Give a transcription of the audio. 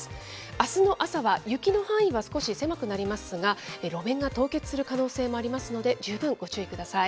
あすの朝は雪の範囲は少し狭くなりますが、路面が凍結する可能性もありますので、十分ご注意ください。